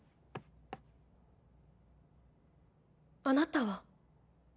あなたは。